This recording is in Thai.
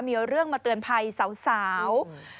มีเรื่องมาเตือนภัยสาว